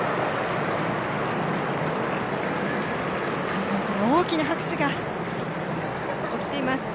会場から大きな拍手が起きています。